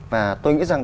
và tôi nghĩ rằng